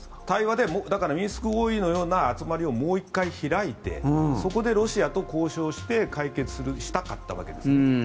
対話でミンスク合意のような集まりをもう１回、開いてそこでロシアと交渉して解決したかったわけです。